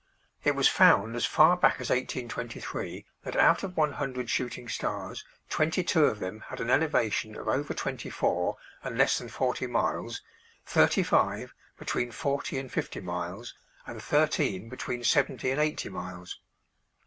It was found as far back as 1823 that out of 100 shooting stars twenty two of them had an elevation of over twenty four and less than forty miles; thirty five, between forty and fifty miles; and thirteen between seventy and eighty miles.